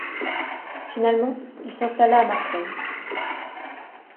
Finalement il s'installa à Marseille.